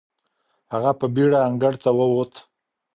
هغه په بېړه انګړ ته وووت.